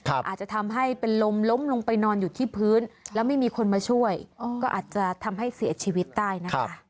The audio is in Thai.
อาจจะทำให้เป็นลมล้มลงไปนอนอยู่ที่พื้นแล้วไม่มีคนมาช่วยก็อาจจะทำให้เสียชีวิตได้นะคะ